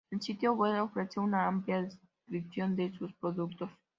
El sitio web ofrece una amplia descripción de sus productos.